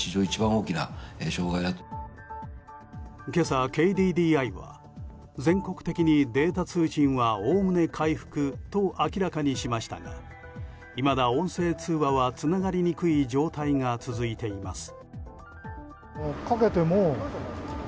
今朝、ＫＤＤＩは全国的にデータ通信はおおむね回復と明らかにしましたがいまだ音声通話はつながりにくい状態が続いています。